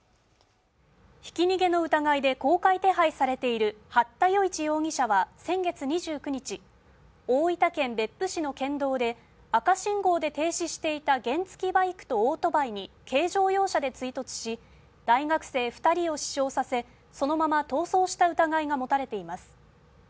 ひき逃げの疑いで公開手配されている八田與一容疑者は先月２９日大分県別府市の県道で赤信号で停止していた原付きバイクとオートバイに軽乗用車で追突し大学生二人を死傷させそのまま逃走した疑いが持たれています